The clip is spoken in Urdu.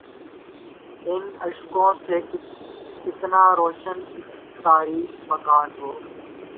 ان اشکوں سے کتنا روشن اک تاریک مکان ہو